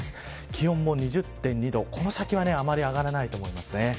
気温も２０．２度この先はあまり上がらないと思います。